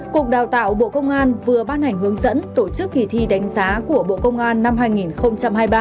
cục đào tạo bộ công an vừa ban hành hướng dẫn tổ chức kỳ thi đánh giá của bộ công an năm hai nghìn hai mươi ba